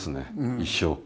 一生。